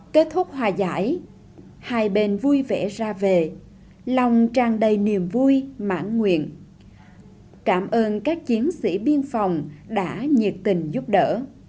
kết thúc hòa giải hai bên vui vẻ ra về lòng tràn đầy niềm vui mãn nguyện cảm ơn các chiến sĩ biên phòng đã nhiệt tình giúp đỡ